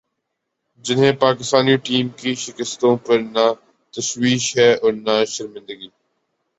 جنہیں پاکستانی ٹیم کی شکستوں پر نہ تشویش ہے اور نہ شرمندگی ۔